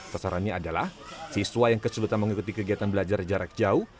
sasarannya adalah siswa yang kesulitan mengikuti kegiatan belajar jarak jauh